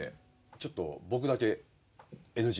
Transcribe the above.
ちょっと僕だけＮＧ。